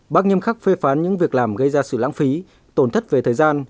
bác nghiêm khắc phê phán những việc làm gây ra sự lãng phí tổn thất về thời gian